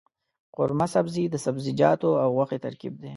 قورمه سبزي د سبزيجاتو او غوښې ترکیب دی.